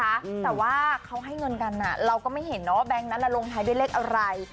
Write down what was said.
แต่ว่าเขาให้เงินกันอ่ะเราก็ไม่เห็นนะว่าแบงค์นั้นลงท้ายด้วยเลขอะไร